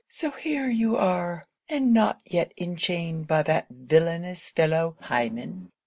So here you are? and not yet enchained by that villainous fellow Hymen?